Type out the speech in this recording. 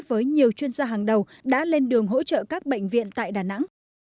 với nhiều chuyên gia hàng đầu đã lên đường hỗ trợ các bệnh viện tại đà nẵng